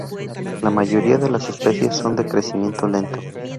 La mayoría de las especies son de crecimiento lento.